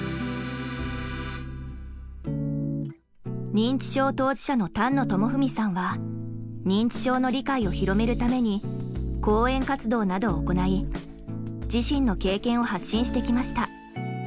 認知症当事者の丹野智文さんは認知症の理解を広めるために講演活動などを行い自身の経験を発信してきました。